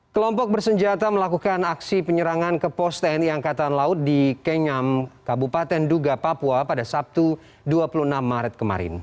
kelompok bersenjata melakukan aksi penyerangan ke pos tni angkatan laut di kenyam kabupaten duga papua pada sabtu dua puluh enam maret kemarin